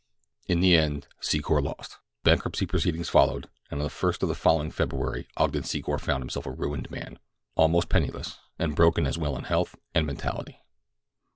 In the end Secor lost. Bankruptcy proceedings followed, and on the first of the following February Ogden Secor found himself a ruined man—almost penniless, and broken as well in health and mentality.